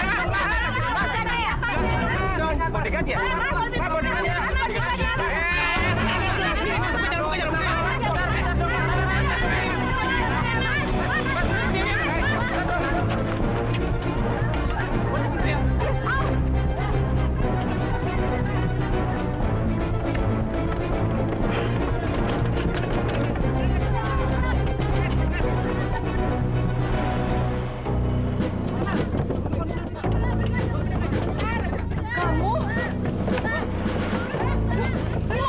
sampai jumpa di video selanjutnya